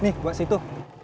nih buat situ